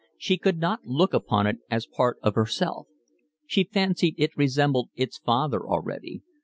She could not look upon it as part of herself. She fancied it resembled its father already.